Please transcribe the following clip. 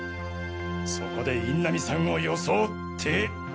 そこで印南さんを装って。